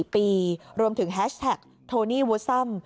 ๗๔ปีรวมถึงแฮชแท็กโทนี่วุสสัม